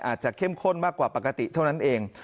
เข้มข้นมากกว่าปกติเท่านั้นเอง